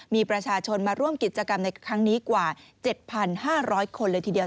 มีประชาชนมาร่วมกิจกรรมในครั้งนี้กว่า๗๕๐๐คนเลยทีเดียว